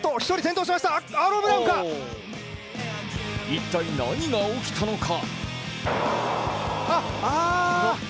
一体何が起きたのか？